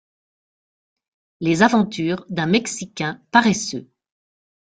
Les aventures d'un Mexicain paresseux.